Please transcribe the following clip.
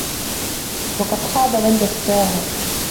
وقد خاب من دساها